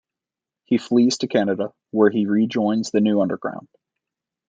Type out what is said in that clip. He flees to Canada, where he rejoins the New Underground.